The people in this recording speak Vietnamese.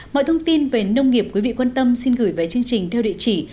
mọi thông tin về nông nghiệp quý vị quan tâm xin gửi về chương trình theo địa chỉ